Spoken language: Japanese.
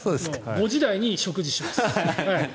５時台に食事します。